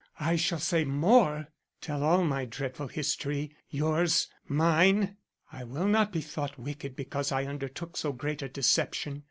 I shall say more; tell all my dreadful history; yours mine. I will not be thought wicked because I undertook so great a deception.